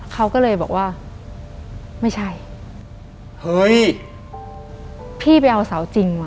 เขาก็เลยบอกว่าไม่ใช่เฮ้ยพี่ไปเอาเสาจริงว่